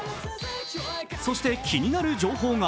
そして気になる情報が。